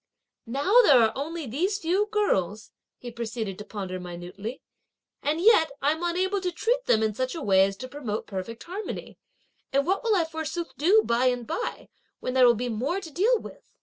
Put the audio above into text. "Now there are only these few girls," he proceeded to ponder minutely, "and yet, I'm unable to treat them in such a way as to promote perfect harmony; and what will I forsooth do by and by (when there will be more to deal with)!"